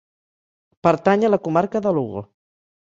Pertany a la comarca de Lugo.